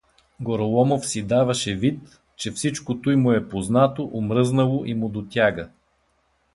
Гороломов си даваше вид, че всичко туй му е познато, омръзнало и му дотяга.